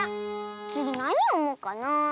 つぎなによもうかなあ。